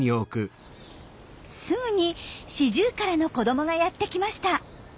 すぐにシジュウカラの子どもがやってきました。